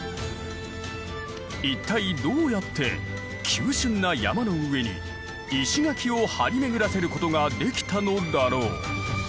一体どうやって急しゅんな山の上に石垣を張り巡らせることができたのだろう？